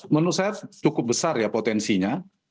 menurut saya cukup besar ya potensinya